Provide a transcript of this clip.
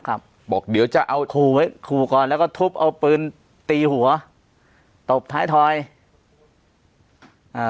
ครับบอกเดี๋ยวจะเอาขู่ไว้ขู่ก่อนแล้วก็ทุบเอาปืนตีหัวตบท้ายทอยอ่า